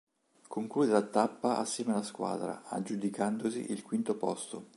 Conclude la tappa assieme alla squadra aggiudicandosi il quinti posto.